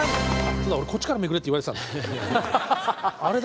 こっちからめくれって言われてたんだ。